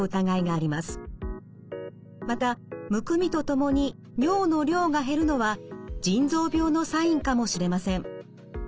またむくみとともに尿の量が減るのは腎臓病のサインかもしれません。